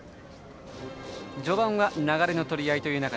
序盤は流れの取り合いという中